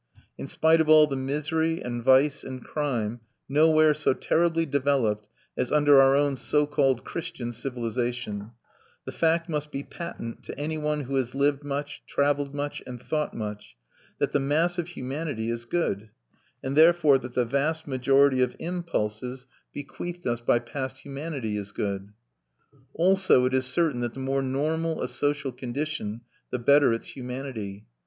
In spite of all the misery and vice and crime, nowhere so terribly developed as under our own so called Christian civilization, the fact must be patent to any one who has lived much, traveled much, and thought much, that the mass of humanity is good, and therefore that the vast majority of impulses bequeathed us by past humanity is good. Also it is certain that the more normal a social condition, the better its humanity.